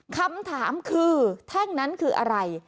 คำถามคือแท่งนั้นคืออะไร